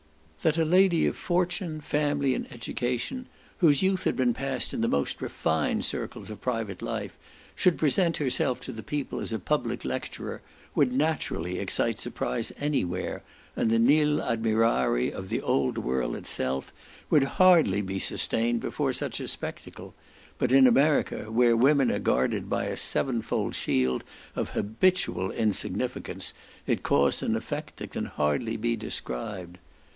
That a lady of fortune, family, and education, whose youth had been passed in the most refined circles of private life, should present herself to the people as a public lecturer, would naturally excite surprise any where, and the nil admirari of the old world itself, would hardly be sustained before such a spectacle; but in America, where women are guarded by a seven fold shield of habitual insignificance, it caused an effect that can hardly be described.